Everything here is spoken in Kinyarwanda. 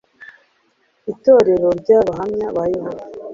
itorero ry’Abahamya ba Yehova